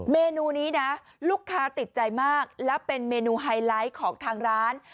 เมนูนี้นะลูกค้าติดใจมากแล้วเป็นเมนูไฮไลท์ของทางร้าน